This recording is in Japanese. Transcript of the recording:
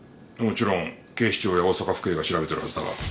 もちろん警視庁や大阪府警が調べてるはずだが。